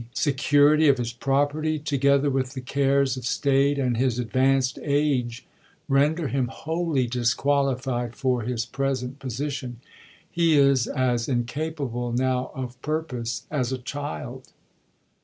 security of his property, together with the cares of state and his advanced age, render him wholly dis qualified for his present position. He is as inca pable now of purpose as a child."